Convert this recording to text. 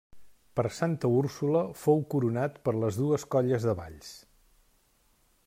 Per Santa Úrsula fou coronat per les dues colles de Valls.